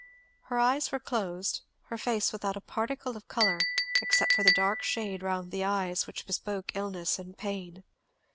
Her eyes were closed, her face without a particle of colour, except the dark shade round the eyes which bespoke illness and pain.